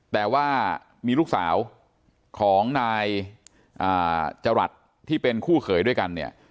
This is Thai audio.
แต่ว่ามีลูกสาวของนายจรัสที่เป็นคู่เขยด้วยกันเนี่ย